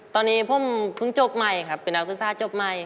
ตอนนี้ผมเพิ่งจบใหม่ครับเป็นนักศึกษาจบใหม่